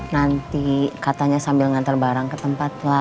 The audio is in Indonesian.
nanti katanya sambil ngantar barang ke tempat lah